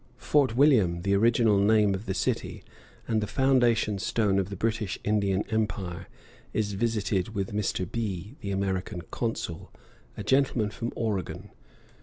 Fort William, the original name of the city, and the foundation stone of the British Indian Empire, is visited with Mr. B, the American Consul, a gentleman from Oregon.